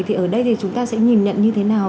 thì ở đây thì chúng ta sẽ nhìn nhận như thế nào